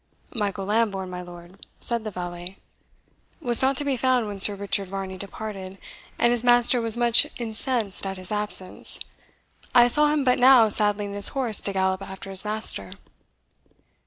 "Michael Lambourne, my lord," said the valet, "was not to be found when Sir Richard Varney departed, and his master was much incensed at his absence. I saw him but now saddling his horse to gallop after his master."